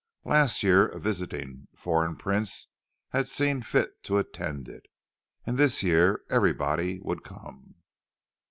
Last year a visiting foreign prince had seen fit to attend it, and this year "everybody" would come.